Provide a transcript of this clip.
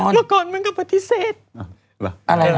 แล้วก่อนมึงก็ปฏิเสธอะไรเหรอ